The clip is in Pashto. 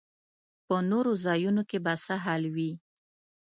په نورو ځایونو کې به څه حال وي.